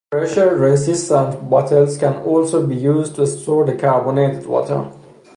The pressure resistant bottles can also be used to store the carbonated water.